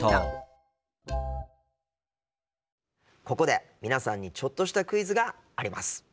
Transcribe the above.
ここで皆さんにちょっとしたクイズがあります。